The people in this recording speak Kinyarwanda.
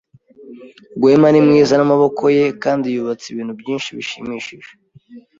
Rwema ni mwiza namaboko ye kandi yubatse ibintu byinshi bishimishije.